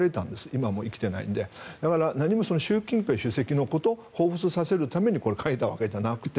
今もう生きていないのでだから何も習近平国家主席のことをほうふつとさせるために書いたわけじゃなくて。